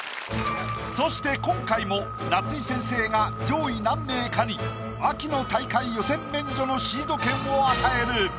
そして今回も夏井先生が上位何名かに秋の大会予選免除のシード権を与える。